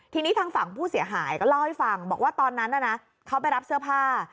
ทีนี้ทางฝั่งผู้เสียหายก็เล่าให้ฟังบอกว่าตอนนั้นเขาไปรับเสื้อผ้า